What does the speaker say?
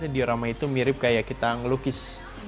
diorama itu mirip kayak kita ngelukis